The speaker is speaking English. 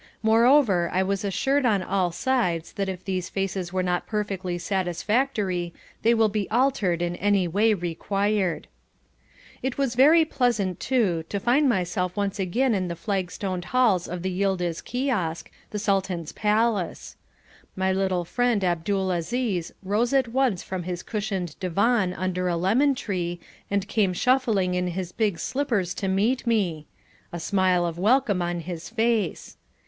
Moreover I was assured on all sides that if these faces are not perfectly satisfactory, they will be altered in any way required. It was very pleasant, too, to find myself once again in the flagstoned halls of the Yildiz Kiosk, the Sultan's palace. My little friend Abdul Aziz rose at once from his cushioned divan under a lemon tree and came shuffling in his big slippers to meet me, a smile of welcome on his face.